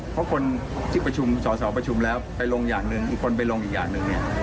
เพราะคนที่ประชุมสอสอประชุมแล้วไปลงอย่างหนึ่งอีกคนไปลงอีกอย่างหนึ่งเนี่ย